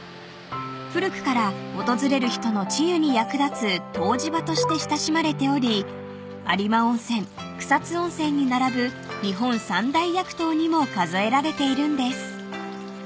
［古くから訪れる人の治癒に役立つ湯治場として親しまれており有馬温泉草津温泉に並ぶ日本三大薬湯にも数えられているんです］